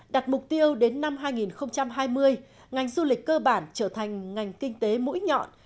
đặt mục tiêu đến năm hai nghìn hai mươi ngành du lịch cơ bản trở thành ngành kinh tế mũi nhọn